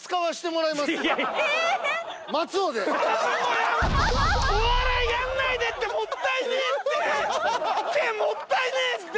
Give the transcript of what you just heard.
もったいねえって！